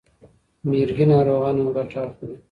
مرګي ناروغان هم ګټه اخلي.